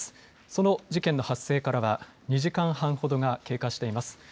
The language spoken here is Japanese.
その事件の発生からは２時間半ほどが経過しています。